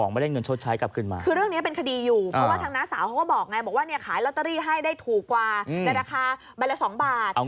เอาเงินชาวบ้านเข้าไปแล้ว